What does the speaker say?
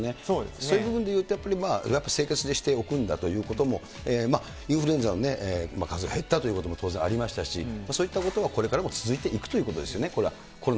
そういう部分でいうと、やっぱり生活しておくんだということも、インフルエンザの数が減ったということも当然ありましたし、そういったことはこれからも続いていくということですよね。